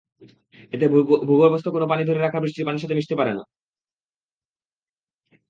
এতে ভূগর্ভস্থ কোনো পানি ধরে রাখা বৃষ্টির পানির সঙ্গে মিশতে পারে না।